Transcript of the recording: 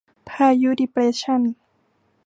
พายุดีเปรสชัน